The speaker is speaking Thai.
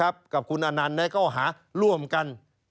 กับคุณอนันต์ในข้อหาร่วมกัน